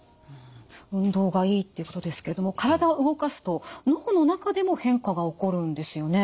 運動がいいっていうことですけども体を動かすと脳の中でも変化が起こるんですよね。